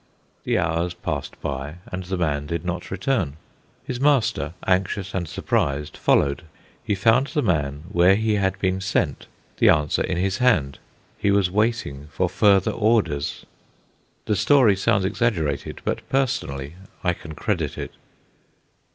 The hours passed by, and the man did not return. His master, anxious and surprised, followed. He found the man where he had been sent, the answer in his hand. He was waiting for further orders. The story sounds exaggerated, but personally I can credit it.